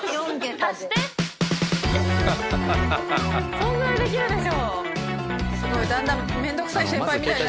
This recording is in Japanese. そんぐらいできるでしょ！